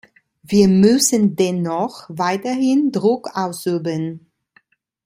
Wir müssen dennoch weiterhin Druck ausüben.